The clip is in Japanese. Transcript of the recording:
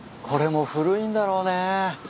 これも古いんだろうね。